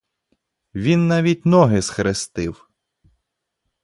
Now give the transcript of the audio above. Він навіть ноги схрестив.